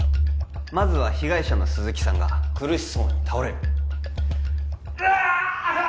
まずは被害者の鈴木さんが苦しそうに倒れるグワーッ！